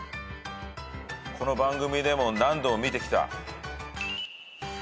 この番組でも何度も見てきた。